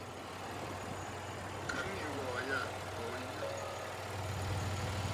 Ka ŋyi aghɔ̀ɔ̀ yâ, òo yə̂.